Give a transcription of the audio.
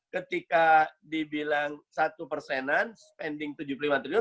ketika dibilang satu persenan spending tujuh puluh lima triliun